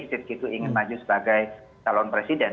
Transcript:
eksplosif gitu ingin maju sebagai calon presiden